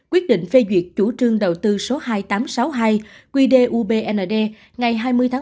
quyết định phê duyệt chủ trương đầu tư số hai nghìn tám trăm sáu mươi hai qd ubnd ngày hai mươi một mươi hai nghìn một mươi tám